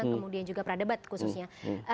kemudian juga pradebat khususnya